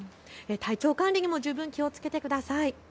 体調管理にも十分、気をつけてください。